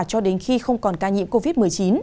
cho đến khi không còn ca nhiễm covid một mươi chín